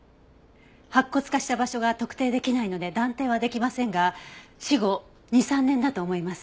白骨化した場所が特定できないので断定はできませんが死後２３年だと思います。